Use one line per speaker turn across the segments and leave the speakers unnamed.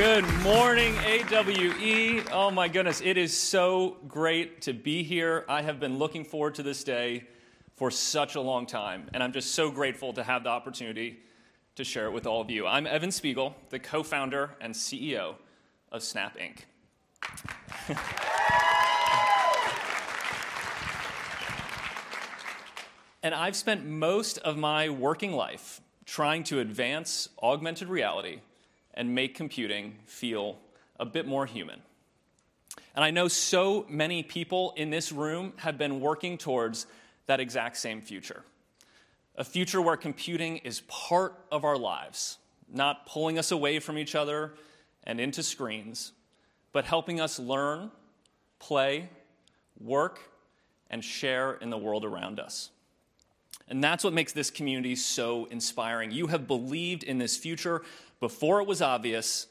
Good morning, AWE. Oh my goodness, it is so great to be here. I have been looking forward to this day for such a long time, and I'm just so grateful to have the opportunity to share it with all of you. I'm Evan Spiegel, the Co-founder and CEO of Snap Inc. I've spent most of my working life trying to advance augmented reality and make computing feel a bit more human. I know so many people in this room have been working towards that exact same future. A future where computing is part of our lives, not pulling us away from each other and into screens, but helping us learn, play, work, and share in the world around us. That's what makes this community so inspiring. You have believed in this future before it was obvious,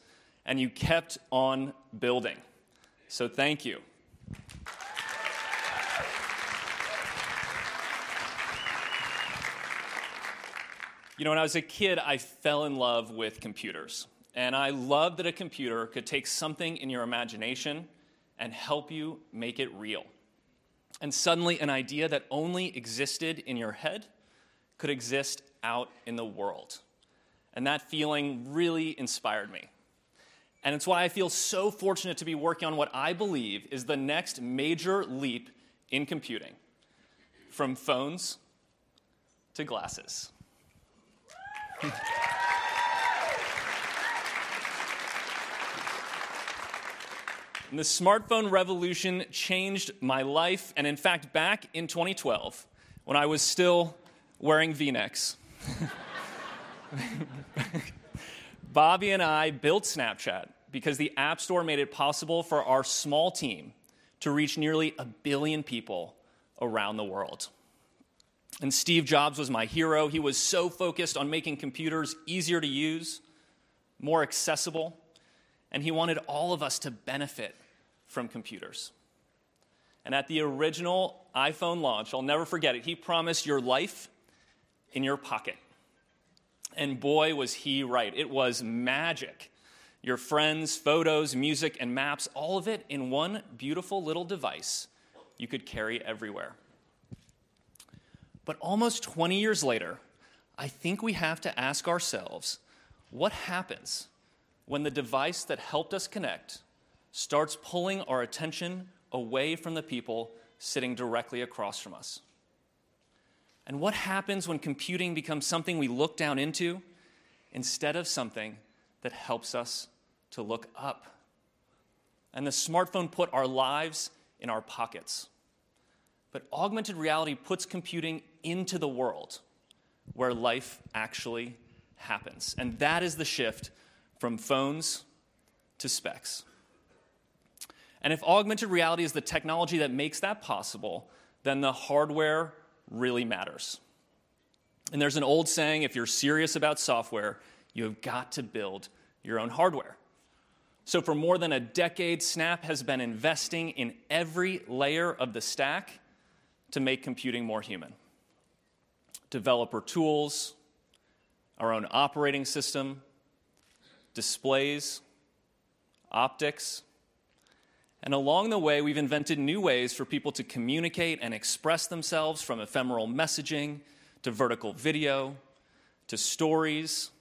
and you kept on building. Thank you. When I was a kid, I fell in love with computers. I loved that a computer could take something in your imagination and help you make it real. Suddenly, an idea that only existed in your head could exist out in the world. That feeling really inspired me. It's why I feel so fortunate to be working on what I believe is the next major leap in computing, from phones to glasses. The smartphone revolution changed my life. In fact, back in 2012, when I was still wearing V-necks Bobby and I built Snapchat because the App Store made it possible for our small team to reach nearly a billion people around the world. Steve Jobs was my hero. He was so focused on making computers easier to use, more accessible, and he wanted all of us to benefit from computers. At the original iPhone launch, I'll never forget it, he promised your life in your pocket. Boy, was he right. It was magic. Your friends, photos, music, and maps, all of it in one beautiful little device you could carry everywhere. Almost 20 years later, I think we have to ask ourselves, what happens when the device that helped us connect starts pulling our attention away from the people sitting directly across from us? What happens when computing becomes something we look down into instead of something that helps us to look up? The smartphone put our lives in our pockets. Augmented reality puts computing into the world where life actually happens. That is the shift from phones to Specs. If augmented reality is the technology that makes that possible, then the hardware really matters. There's an old saying, if you're serious about software, you have got to build your own hardware. For more than a decade, Snap has been investing in every layer of the stack to make computing more human. Developer tools, our own operating system, displays, optics. Along the way, we've invented new ways for people to communicate and express themselves, from ephemeral messaging to vertical video, to stories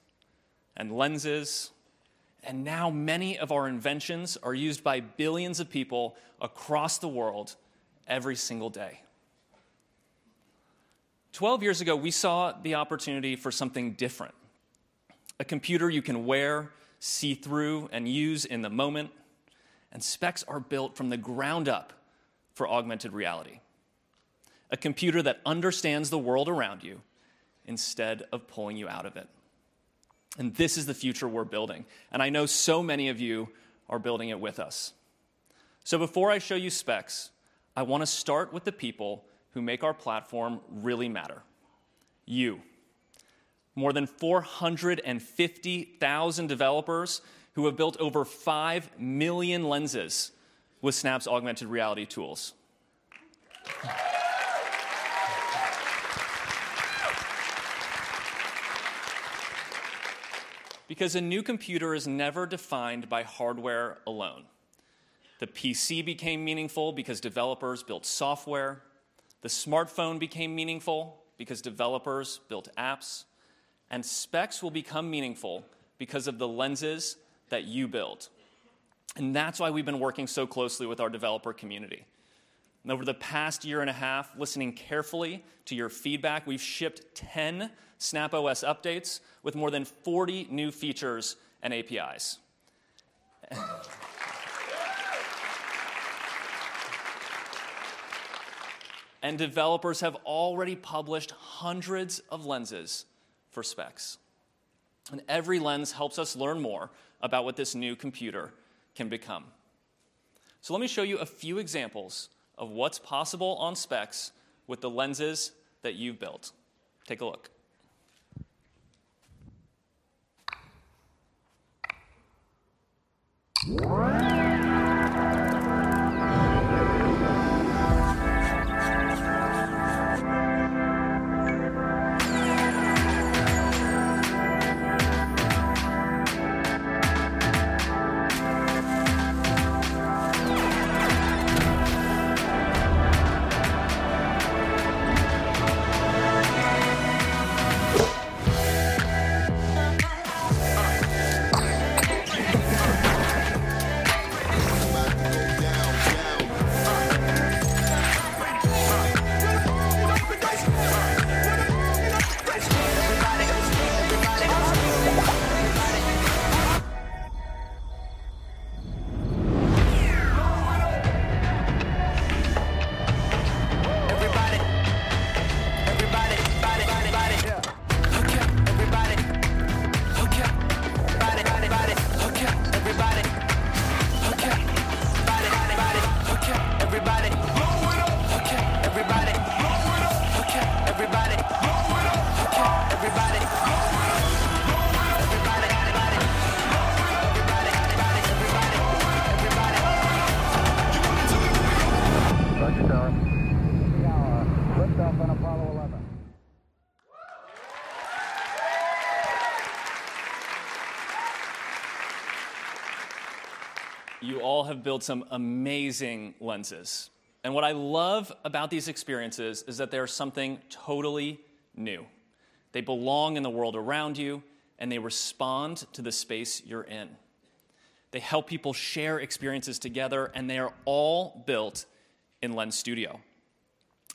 and lenses. Now many of our inventions are used by billions of people across the world every single day. 12 years ago, we saw the opportunity for something different. A computer you can wear, see through, and use in the moment. Specs are built from the ground up for augmented reality. A computer that understands the world around you instead of pulling you out of it. This is the future we are building, and I know so many of you are building it with us. Before I show you Specs, I want to start with the people who make our platform really matter. You. More than 450,000 developers who have built over 5 million Lenses with Snap's augmented reality tools. A new computer is never defined by hardware alone. The PC became meaningful because developers built software. The smartphone became meaningful because developers built apps. Specs will become meaningful because of the Lenses that you build. That is why we have been working so closely with our developer community. Over the past year and a half, listening carefully to your feedback, we have shipped 10 Snap OS updates with more than 40 new features and APIs. Developers have already published hundreds of Lenses for Specs. Every Lens helps us learn more about what this new computer can become. Let me show you a few examples of what is possible on Specs with the Lenses that you have built. Take a look.
It's about to go down. To the floor, get up and dance. To the floor, get up and dance. Everybody, everybody. Blow it up. Everybody. Everybody. Okay. Body. Okay, everybody. Okay. Body. Okay, everybody. Blow it up. Okay, everybody. Blow it up. Okay, everybody. Blow it up. Uh-huh. Everybody. Blow it up. Blow it up. Everybody. Blow it up. Everybody, everybody. Blow it up. Everybody, everybody. Blow it up. Everybody. You want me to. Roger, Houston. We are liftoff on Apollo 11.
You all have built some amazing Lenses. What I love about these experiences is that they are something totally new. They belong in the world around you, and they respond to the space you are in. They help people share experiences together, and they are all built in Lens Studio.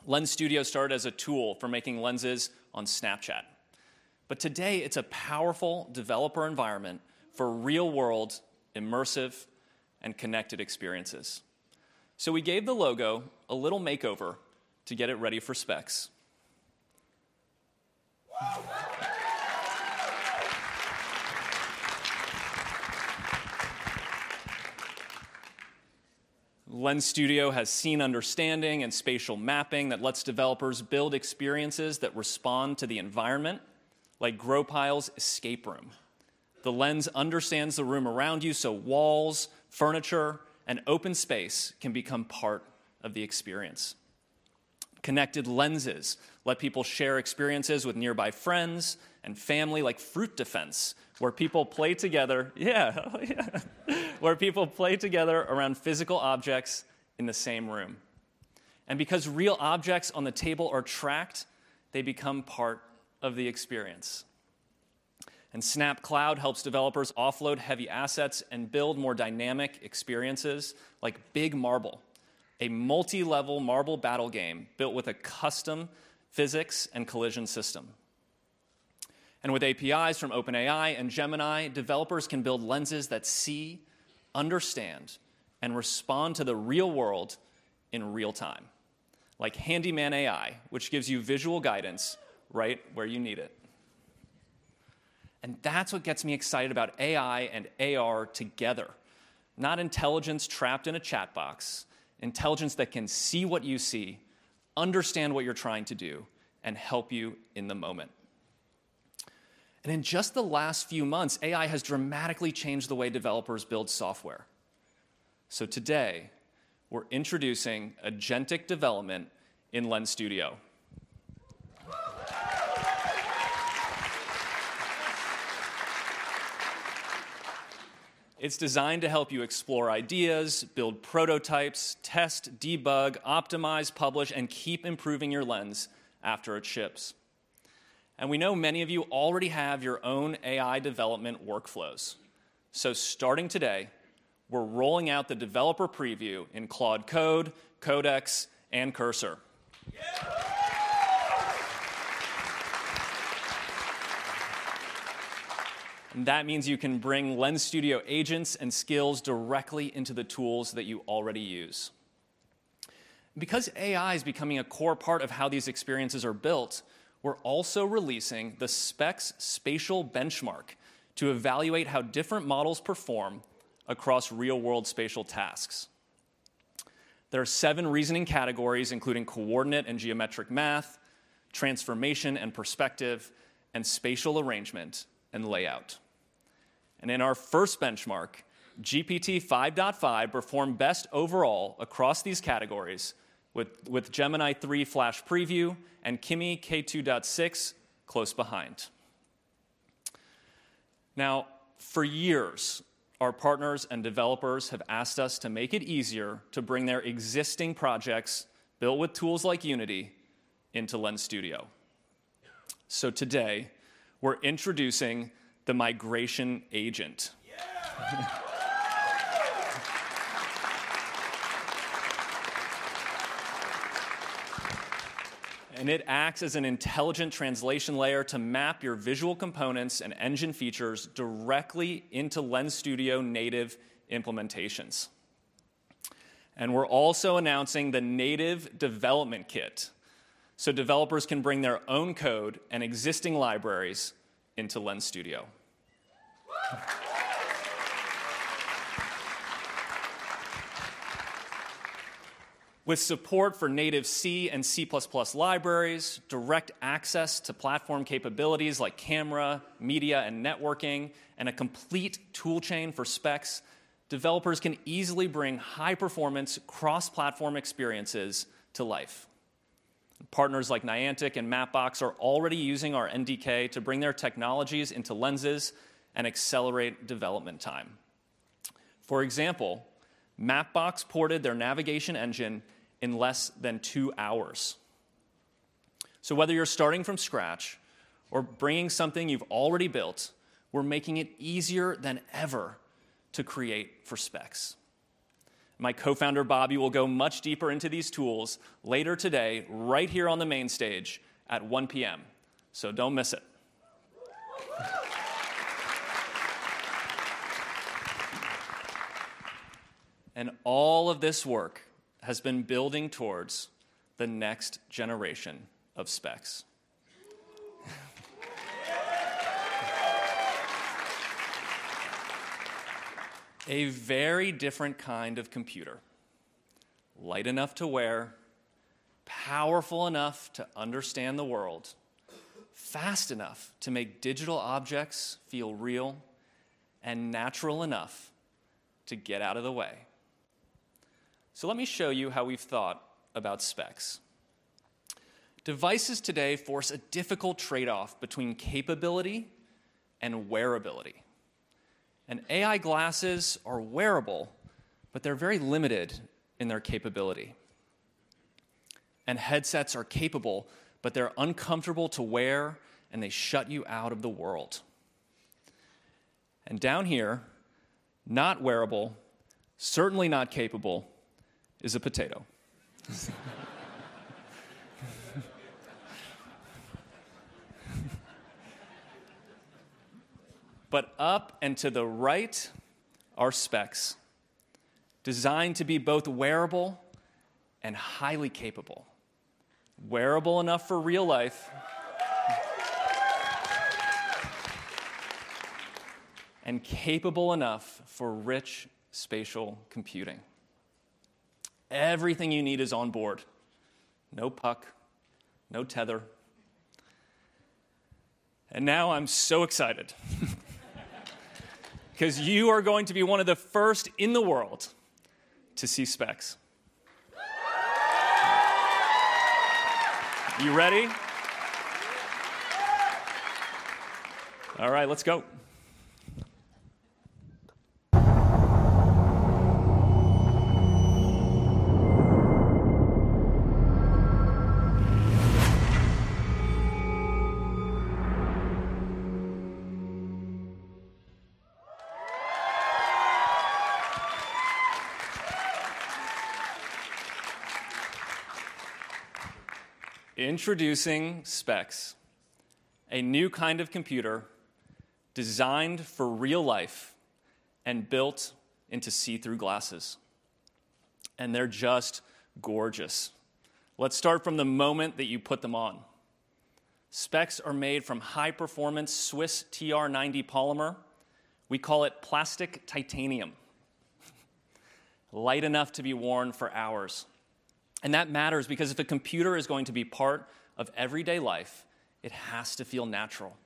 Lens Studio started as a tool for making Lenses on Snapchat. Today, it is a powerful developer environment for real-world, immersive, and connected experiences. We gave the logo a little makeover to get it ready for Specs. Lens Studio has scene understanding and spatial mapping that lets developers build experiences that respond to the environment, like Growpile's escape room. The Lens understands the room around you, so walls, furniture, and open space can become part of the experience. Connected Lenses let people share experiences with nearby friends and family, like Fruit Defense. Yeah. Where people play together around physical objects in the same room. Because real objects on the table are tracked, they become part of the experience. Snap Cloud helps developers offload heavy assets and build more dynamic experiences, like Big Marble, a multilevel marble battle game built with a custom physics and collision system. With APIs from OpenAI and Gemini, developers can build Lenses that see, understand, and respond to the real world in real-time, like Handyman AI, which gives you visual guidance right where you need it. That's what gets me excited about AI and AR together. Not intelligence trapped in a chat box, intelligence that can see what you see, understand what you're trying to do, and help you in the moment. In just the last few months, AI has dramatically changed the way developers build software. Today, we're introducing agentic development in Lens Studio. It's designed to help you explore ideas, build prototypes, test, debug, optimize, publish, and keep improving your Lens after it ships. We know many of you already have your own AI development workflows. Starting today, we're rolling out the developer preview in Claude Code, Codex, and Cursor. That means you can bring Lens Studio agents and skills directly into the tools that you already use. Because AI is becoming a core part of how these experiences are built, we're also releasing the Specs Spatial Benchmark to evaluate how different models perform across real-world spatial tasks. There are 7 reasoning categories, including coordinate and geometric math, transformation and perspective, and spatial arrangement and layout. In our first benchmark, [GPT-5.5] performed best overall across these categories, with [Gemini 3 Flash Preview] and Kimi K2.6] close behind. Now, for years, our partners and developers have asked us to make it easier to bring their existing projects built with tools like Unity into Lens Studio. Today, we're introducing the Migration Agent. It acts as an intelligent translation layer to map your visual components and engine features directly into Lens Studio native implementations. We're also announcing the Native Development Kit, so developers can bring their own code and existing libraries into Lens Studio. With support for native C and C++ libraries, direct access to platform capabilities like camera, media, and networking, and a complete toolchain for Specs, developers can easily bring high-performance, cross-platform experiences to life. Partners like Niantic and Mapbox are already using our NDK to bring their technologies into Lenses and accelerate development time. For example, Mapbox ported their navigation engine in less than two hours. Whether you're starting from scratch or bringing something you've already built, we're making it easier than ever to create for Specs. My co-founder, Bobby, will go much deeper into these tools later today right here on the main stage at 1:00 P.M., so don't miss it. All of this work has been building towards the next generation of Specs. A very different kind of computer. Light enough to wear, powerful enough to understand the world, fast enough to make digital objects feel real, and natural enough to get out of the way. Let me show you how we've thought about Specs. Devices today force a difficult trade-off between capability and wearability. AI glasses are wearable, but they're very limited in their capability. Headsets are capable, but they're uncomfortable to wear, and they shut you out of the world. Down here, not wearable, certainly not capable, is a potato. Up and to the right are Specs, designed to be both wearable and highly capable. Wearable enough for real life. Capable enough for rich spatial computing. Everything you need is on board. No puck, no tether. Now I'm so excited because you are going to be one of the first in the world to see Specs. You ready? All right, let's go. Introducing Specs a new kind of computer designed for real life and built into see-through glasses. They're just gorgeous. Let's start from the moment that you put them on. Specs are made from high-performance Swiss TR90 polymer. We call it plastic titanium. Light enough to be worn for hours. That matters because if a computer is going to be part of everyday life, it has to feel natural.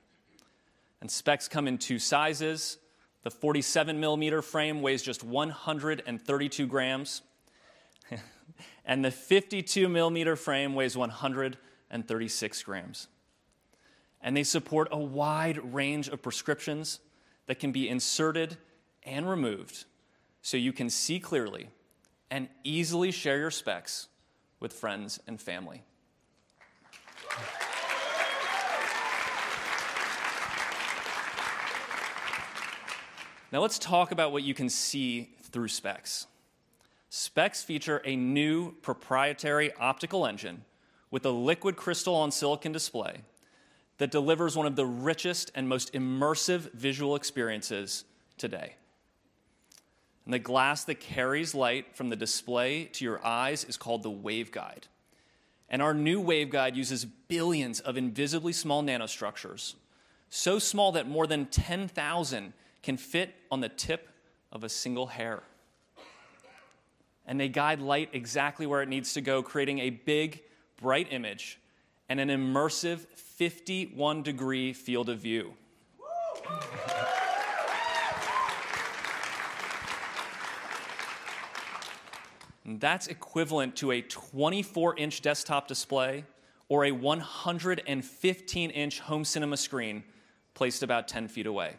Specs come in two sizes. The 47-millimeter frame weighs just 132 grams. The 52-millimeter frame weighs 136 grams. They support a wide range of prescriptions that can be inserted and removed so you can see clearly and easily share your Specs with friends and family. Now let's talk about what you can see through Specs. Specs feature a new proprietary optical engine with a liquid crystal on silicon display that delivers one of the richest and most immersive visual experiences today. The glass that carries light from the display to your eyes is called the waveguide. Our new waveguide uses billions of invisibly small nanostructures, so small that more than 10,000 can fit on the tip of a single hair. They guide light exactly where it needs to go, creating a big, bright image and an immersive 51-degree field of view. That's equivalent to a 24-inch desktop display or a 115-inch home cinema screen placed about 10 feet away.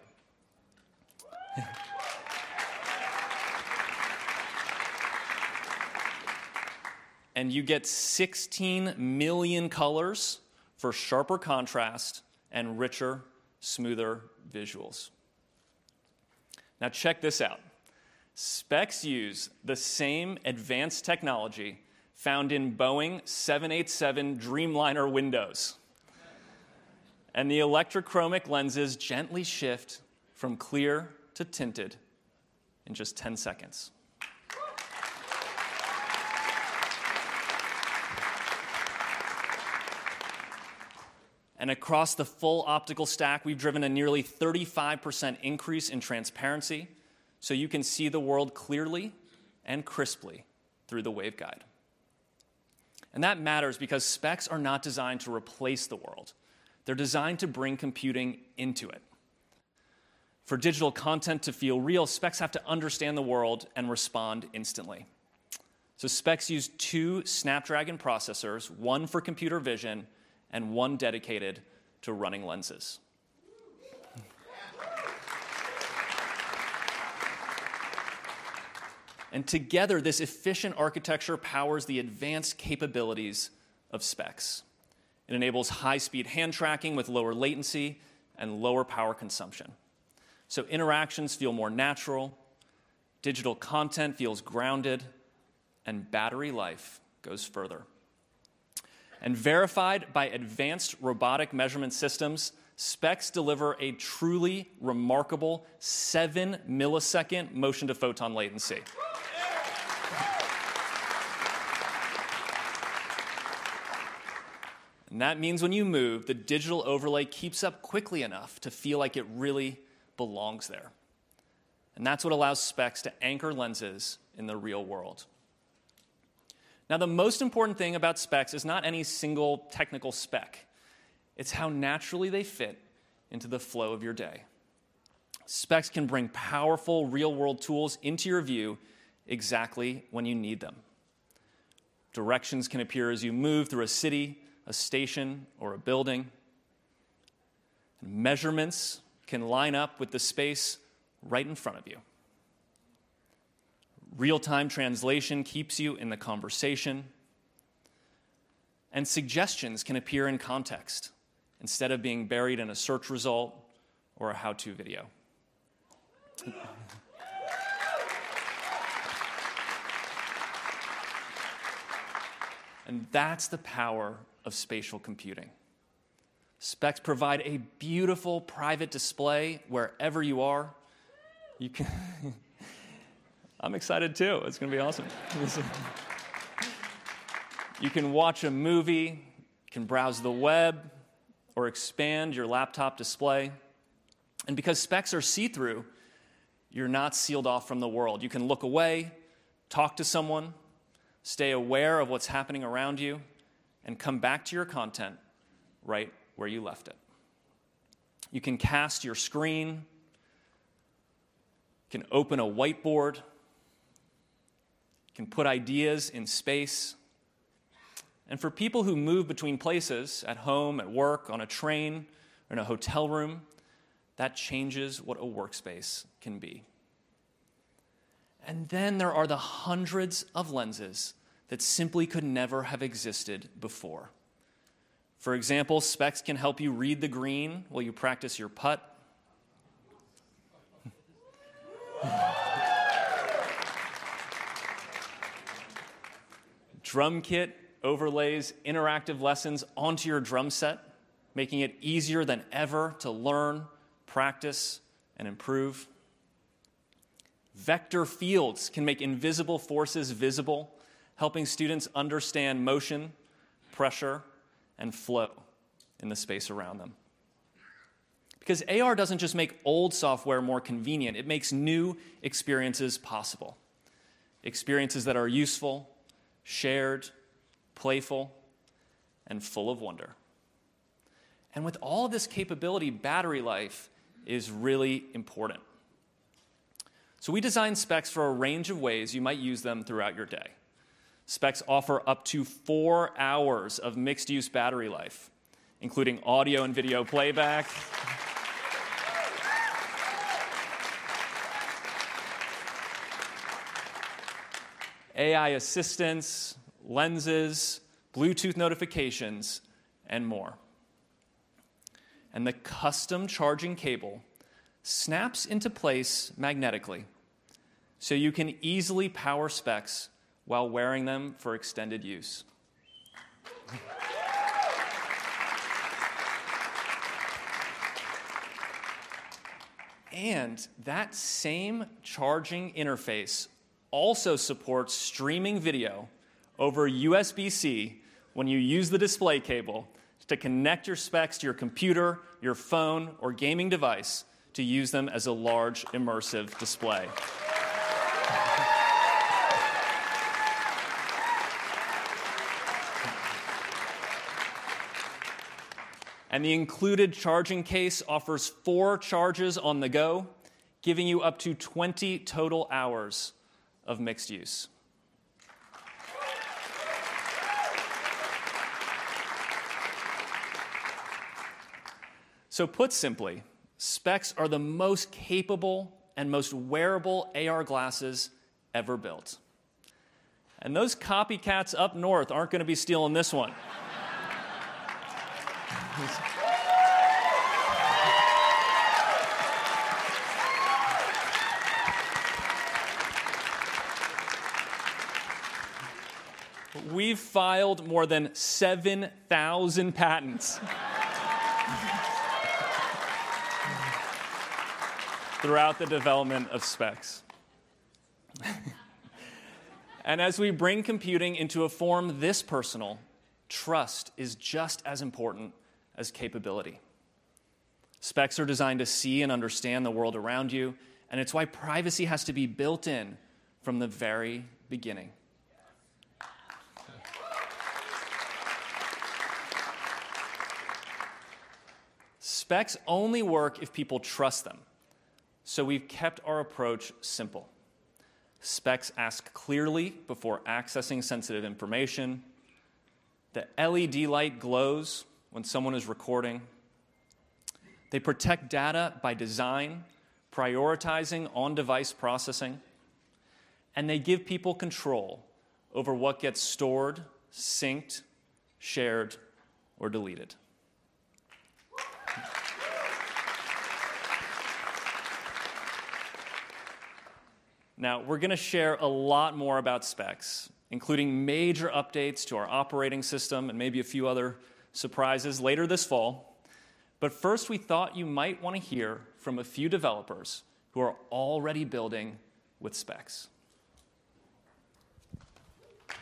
You get 16 million colors for sharper contrast and richer, smoother visuals. Now check this out. Specs use the same advanced technology found in Boeing 787 Dreamliner windows. The electrochromic lenses gently shift from clear to tinted in just 10 seconds. Across the full optical stack, we've driven a nearly 35% increase in transparency, so you can see the world clearly and crisply through the waveguide. That matters because Specs are not designed to replace the world. They're designed to bring computing into it. For digital content to feel real, Specs have to understand the world and respond instantly. Specs use two Snapdragon processors, one for computer vision and one dedicated to running lenses. Together, this efficient architecture powers the advanced capabilities of Specs. It enables high-speed hand tracking with lower latency and lower power consumption, interactions feel more natural, digital content feels grounded, and battery life goes further. Verified by advanced robotic measurement systems, Specs deliver a truly remarkable seven-millisecond motion to photon latency. That means when you move, the digital overlay keeps up quickly enough to feel like it really belongs there. That's what allows Specs to anchor lenses in the real world. Now, the most important thing about Specs is not any single technical spec. It's how naturally they fit into the flow of your day. Specs can bring powerful real-world tools into your view exactly when you need them. Directions can appear as you move through a city, a station, or a building. Measurements can line up with the space right in front of you. Real-time translation keeps you in the conversation. Suggestions can appear in context instead of being buried in a search result or a how-to video. That's the power of spatial computing. Specs provide a beautiful private display wherever you are. I'm excited, too. It's going to be awesome. You can watch a movie, you can browse the web, or expand your laptop display. Because Specs are see-through, you're not sealed off from the world. You can look away, talk to someone, stay aware of what's happening around you, and come back to your content right where you left it. You can cast your screen, you can open a whiteboard, you can put ideas in space. For people who move between places, at home, at work, on a train, or in a hotel room, that changes what a workspace can be. Then there are the hundreds of Lenses that simply could never have existed before. For example, Specs can help you read the green while you practice your putt. Drum Kit overlays interactive lessons onto your drum set, making it easier than ever to learn, practice, and improve. Vector Fields can make invisible forces visible, helping students understand motion, pressure, and flow in the space around them. Because AR doesn't just make old software more convenient, it makes new experiences possible. Experiences that are useful, shared, playful, and full of wonder. With all this capability, battery life is really important. We designed Specs for a range of ways you might use them throughout your day. Specs offer up to four hours of mixed-use battery life, including audio and video playback, AI assistance, Lenses, Bluetooth notifications, and more. The custom charging cable snaps into place magnetically, so you can easily power Specs while wearing them for extended use. That same charging interface also supports streaming video over USB-C when you use the display cable to connect your Specs to your computer, your phone, or gaming device to use them as a large immersive display. The included charging case offers four charges on the go, giving you up to 20 total hours of mixed use. Put simply, Specs are the most capable and most wearable AR glasses ever built. Those copycats up north aren't going to be stealing this one. We've filed more than 7,000 patents throughout the development of Specs. As we bring computing into a form this personal, trust is just as important as capability. Specs are designed to see and understand the world around you. It's why privacy has to be built in from the very beginning. Specs only work if people trust them. We've kept our approach simple. Specs ask clearly before accessing sensitive information. The LED light glows when someone is recording. They protect data by design, prioritizing on-device processing, and they give people control over what gets stored, synced, shared, or deleted. We're going to share a lot more about Specs, including major updates to our operating system and maybe a few other surprises later this fall. First, we thought you might want to hear from a few developers who are already building with Specs.
Oh,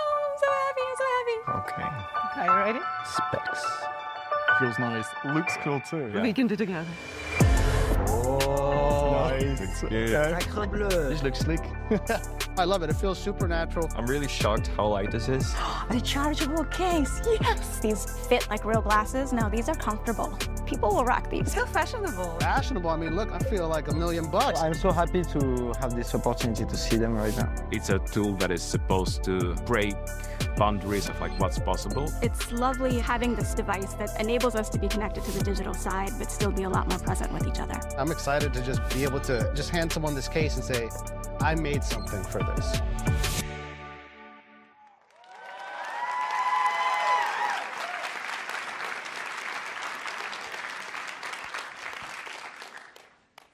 I'm so happy. I'm so happy. Okay. Okay, you ready? Specs. Feels nice. Looks cool, too. We can do together.
Whoa.
Nice.
Looks good.
Okay.
Sacré bleu. This looks slick.
I love it. It feels super natural. I'm really shocked how light this is. The chargeable case. Yes.
These fit like real glasses. Now, these are comfortable. People will rock these.
Fashionable. Fashionable. Look, I feel like $1 million.
I'm so happy to have this opportunity to see them right now.
It's a tool that is supposed to break boundaries of what's possible.
It's lovely having this device that enables us to be connected to the digital side, but still be a lot more present with each other.
I'm excited to just be able to just hand someone this case and say, "I made something for this.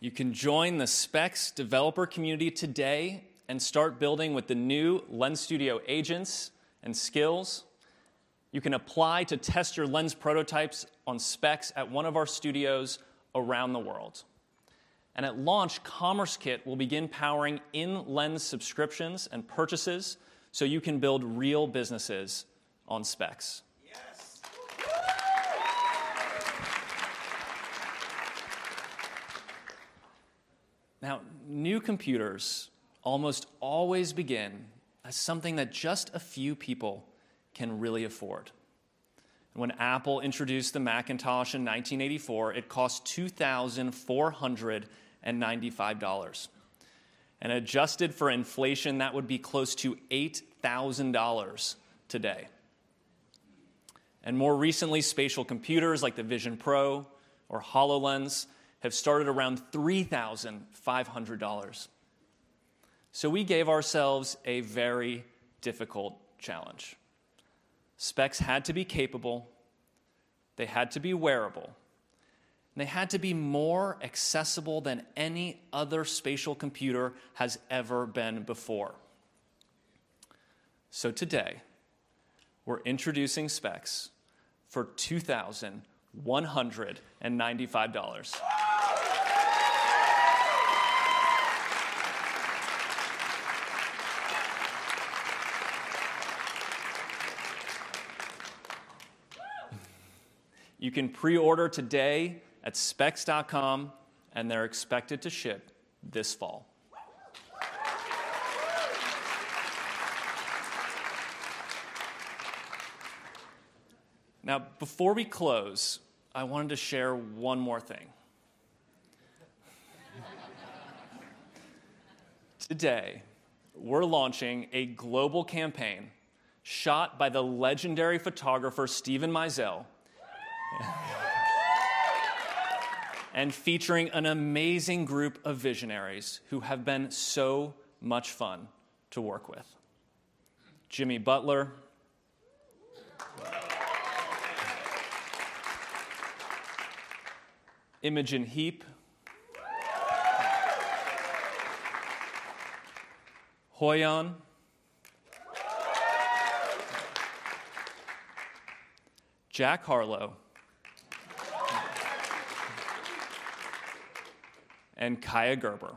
You can join the Specs developer community today and start building with the new Lens Studio agents and skills. You can apply to test your Lens prototypes on Specs at one of our studios around the world. At launch, Commerce Kit will begin powering in-Lens subscriptions and purchases so you can build real businesses on Specs.
Yes.
New computers almost always begin as something that just a few people can really afford. When Apple introduced the Macintosh in 1984, it cost $2,495. Adjusted for inflation, that would be close to $8,000 today. More recently, spatial computers like the Vision Pro or HoloLens have started around $3,500. We gave ourselves a very difficult challenge. Specs had to be capable, they had to be wearable, and they had to be more accessible than any other spatial computer has ever been before. Today, we're introducing Specs for $2,195. You can pre-order today at specs.com, and they're expected to ship this fall. Before we close, I wanted to share one more thing. Today, we're launching a global campaign shot by the legendary photographer Steven Meisel and featuring an amazing group of visionaries who have been so much fun to work with. Jimmy Butler. Imogen Heap. Hoyeon. Jack Harlow. Kaia Gerber.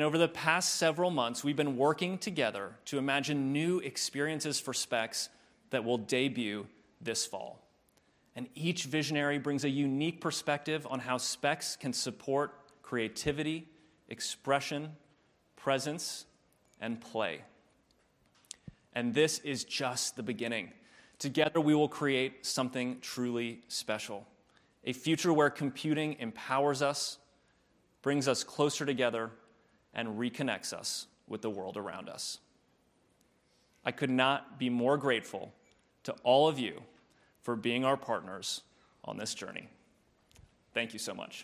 Over the past several months, we've been working together to imagine new experiences for Specs that will debut this fall, and each visionary brings a unique perspective on how Specs can support creativity, expression, presence, and play. This is just the beginning. Together, we will create something truly special. A future where computing empowers us, brings us closer together, and reconnects us with the world around us. I could not be more grateful to all of you for being our partners on this journey. Thank you so much